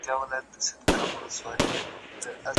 دا بلا دي نن دربار ته راولمه